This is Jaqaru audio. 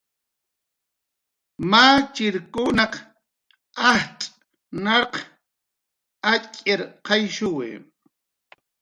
Machirkunaq ajtz' narq atx'irqayshuwi.